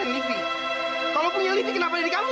kau usah nyelidiki kau usah nyelidiki kenapa jadi kamu